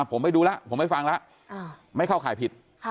ผมไปดูแล้วผมไม่ฟังแล้วไม่เข้าข่ายผิด